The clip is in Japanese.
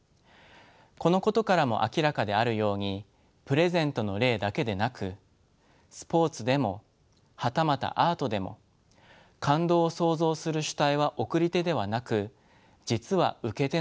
このことからも明らかであるようにプレゼントの例だけでなくスポーツでもはたまたアートでも感動を創造する主体は送り手ではなく実は受け手なのです。